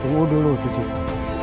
tunggu dulu cucuku